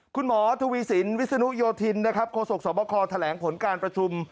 คุณหมอทวีสินวิศนุโยธินนะครับโคศกสวบคแถลงผลการประชุม